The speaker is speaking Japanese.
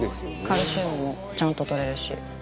カルシウムもちゃんととれるし。